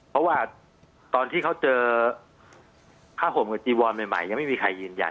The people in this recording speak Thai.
เพราะว่าตอนที่เขาเจอผ้าห่มกับจีวอนใหม่ยังไม่มีใครยืนยัน